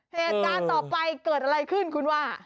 เหตุการณ์ต่อไปเกิดอะไรขึ้นคุณว่า